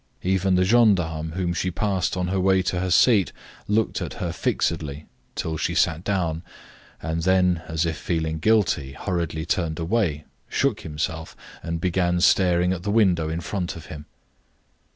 Even the gendarme whom she passed on her way to her seat looked at her fixedly till she sat down, and then, as if feeling guilty, hurriedly turned away, shook himself, and began staring at the window in front of him.